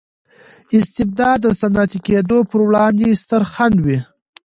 استبداد د صنعتي کېدو پروړاندې ستر خنډ و.